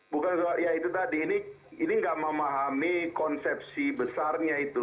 bukan soal ya itu tadi ini nggak memahami konsepsi besarnya itu